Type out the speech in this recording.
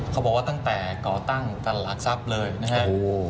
เขาบอกว่าตั้งแต่ก่อตั้งตลาดทรัพย์เลยนะฮะโอ้โห